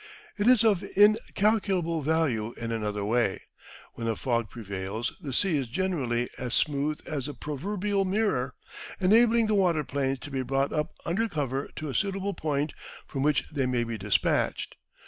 It is of in calculable value in another way. When a fog prevails the sea is generally as smooth as the pro verbial mirror, enabling the waterplanes to be brought up under cover to a suitable point from which they may be dispatched.